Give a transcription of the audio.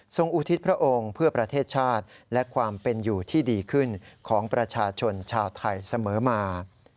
อุทิศพระองค์เพื่อประเทศชาติและความเป็นอยู่ที่ดีขึ้นของประชาชนชาวไทยเสมอมา